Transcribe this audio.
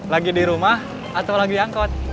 lagi di rumah atau lagi angkot